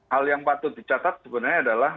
hal yang patut dicatat sebenarnya adalah